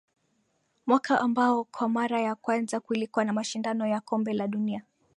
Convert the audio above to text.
mwaka ambao kwa mara ya kwanza kulikuwa na mashindano ya Kombe la Dunia